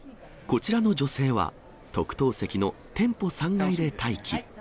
こちらの女性は、特等席の店舗３階で待機。